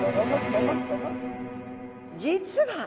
実は！